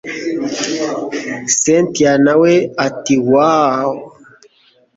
cyntia nawe ati wooww